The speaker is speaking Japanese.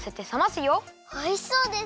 おいしそうです！